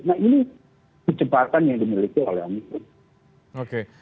nah ini kecepatan yang dimiliki oleh omikron